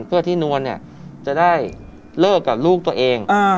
เพื่อที่นวลเนี่ยจะได้เลิกกับลูกตัวเอง